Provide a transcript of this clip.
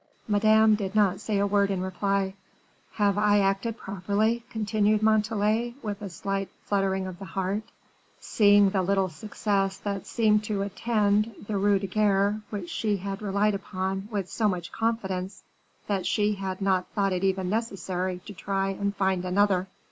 Madame did not say a word in reply. "Have I acted properly?" continued Montalais, with a slight fluttering of the heart, seeing the little success that seemed to attend the ruse de guerre which she had relied upon with so much confidence that she had not thought it even necessary to try and find another.